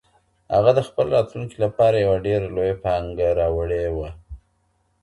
هغه د خپل راتلونکي لپاره یوه ډېره لویه پانګه راوړې وه.